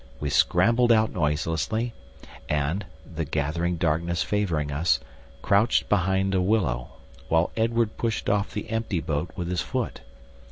We scrambled out noiselessly, and the gathering darkness favouring us crouched behind a willow, while Edward pushed off the empty boat with his foot.